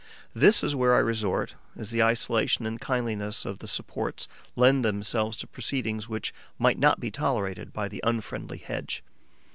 This is where I resort, as the isolation and kindliness of the supports lend themselves to proceedings which might not be tolerated by the unfriendly hedge.